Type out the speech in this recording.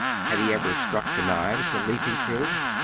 Had he ever struck the knives when leaping through?